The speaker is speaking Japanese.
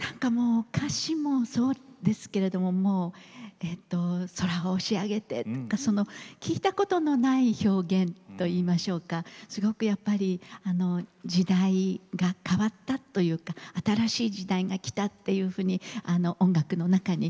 歌詞もそうですけれど空を押し上げてとか聞いたことのない表現といいましょうか時代が変わったというか新しい時代が来たというふうに音楽の中に。